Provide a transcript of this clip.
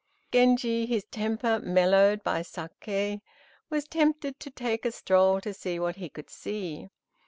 Genji, his temper mellowed by saké, was tempted to take a stroll to see what he could see.